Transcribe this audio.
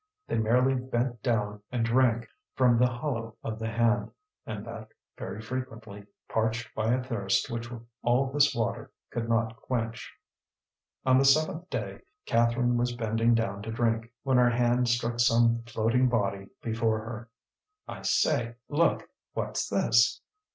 They merely bent down and drank from the hollow of the hand, and that very frequently, parched by a thirst which all this water could not quench. On the seventh day Catherine was bending down to drink, when her hand struck some floating body before her. "I say, look! What's this?"